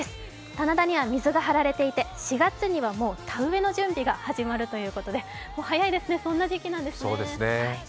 棚田には水が張られていて４月には田植えの準備が始まるということで早いですね、もうそんな時期なんですね。